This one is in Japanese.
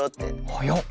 はやっ！